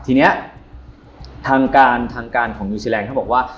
ทีนี้ทางการทางการของนิวซีแลนดเขาบอกว่า